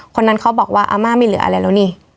คนนั้นเขาบอกว่าอาม่าไม่เหลืออะไรแล้วนี่